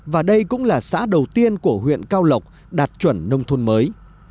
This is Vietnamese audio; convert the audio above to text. và đây cũng là xã đầu tiên của huyện cao lộc đạt chuẩn nông thôn mới